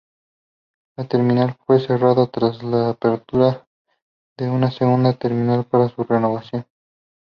La terminal fue cerrada tras la apertura de una segunda terminal para su renovación.